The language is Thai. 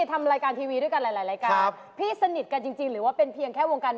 สวัสดีครับ